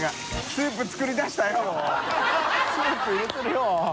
スープ入れてるよ。